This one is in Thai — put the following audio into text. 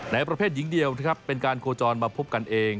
ประเภทหญิงเดียวนะครับเป็นการโคจรมาพบกันเอง